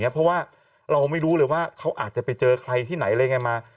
เพราะว่าเราไม่รู้เลยว่าเขาอาจจะไปเจอใครที่ไหนอะไรยังไงมา